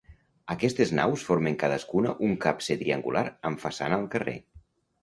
Aquestes naus formen cadascuna un capcer triangular amb façana al carrer.